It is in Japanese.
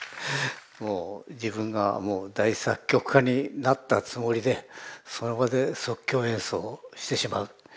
もう自分が大作曲家になったつもりでその場で即興演奏してしまう。